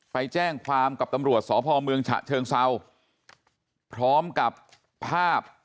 ไปแจ้งความกับตำรวจสพเมืองฉะเชิงเศร้าพร้อมกับภาพ